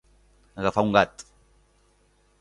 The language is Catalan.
Agafar un gat.